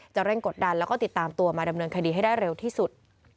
เร่งกดดันแล้วก็ติดตามตัวมาดำเนินคดีให้ได้เร็วที่สุด